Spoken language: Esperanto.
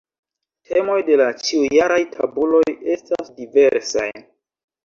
Temoj de la ĉiujaraj tabuloj estas diversaj.